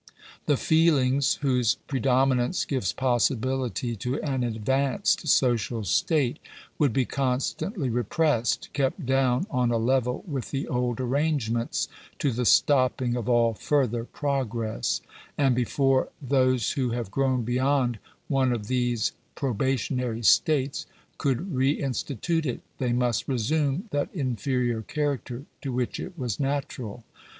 The feelings whose predominance gives possibility to an advanced social state would be constantly repressed — kept down on a level with the old arrangements, to the stopping of all further progress ; and before those who have grown beyond one of these proba tionary states could re institute it, they must resume that in ferior character to which it was natural.